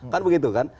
kan begitu kan